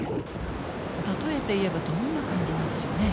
例えて言えばどんな感じなんでしょうね？